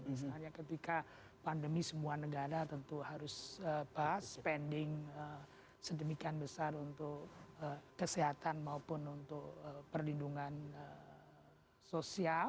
misalnya ketika pandemi semua negara tentu harus pas spending sedemikian besar untuk kesehatan maupun untuk perlindungan sosial